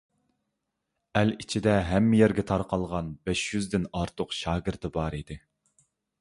ئەل ئىچىدە ھەممە يەرگە تارقالغان بەش يۈزدىن ئارتۇق شاگىرتى بار ئىدى.